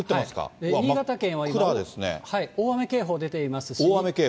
新潟県は大雨警報出ています。